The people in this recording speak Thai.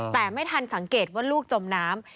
แต่ไม่ทันสังเกตว่าลูกจมน้ำ